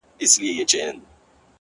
ستړى په گډا سومه .چي.ستا سومه.